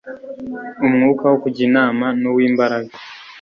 umwuka wo kujya inama n'uw'imbaraga